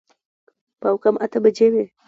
پاو کم اته بجې وې.